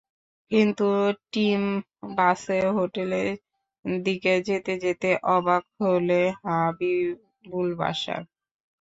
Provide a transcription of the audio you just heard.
কিন্তু টিম বাসে হোটেলের দিকে যেতে যেতে অবাক হলেন হাবিবুল বাশার।